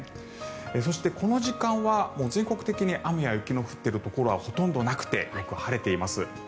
そしてこの時間は全国的に雨や雪の降っているところはほとんどなくてよく晴れています。